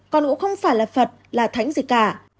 con cũng không phải là phật là thánh gì cả